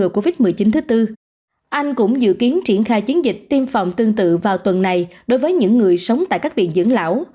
chiến dịch tiêm phòng tương tự vào tuần này đối với những người sống tại các viện dưỡng lão